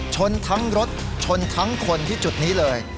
ชนทั้งรถชนทั้งคนที่จุดนี้เลย